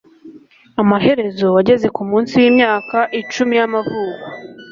amaherezo wageze kumunsi wimyaka icumi y'amavuko